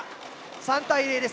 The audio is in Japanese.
３対０です